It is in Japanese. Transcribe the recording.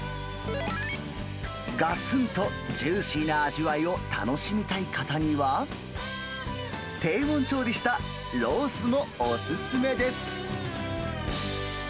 がつんとジューシーな味わいを楽しみたい方には、低温調理したロースもお勧めです。